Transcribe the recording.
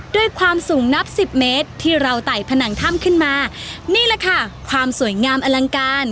ด้วยความสูงนับสิบเมตรที่เราไต่ผนังถ้ำขึ้นมานี่แหละค่ะความสวยงามอลังการ